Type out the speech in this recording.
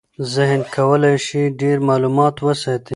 ذهن کولی شي ډېر معلومات وساتي.